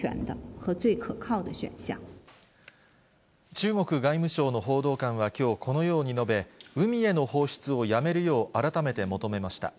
中国外務省の報道官はきょう、このように述べ、海への放出をやめるよう改めて求めました。